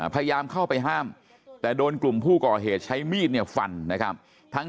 พยายามเข้าไปห้ามแต่โดนกลุ่มผู้ก่อเหตุใช้มีดเนี่ยฟันนะครับ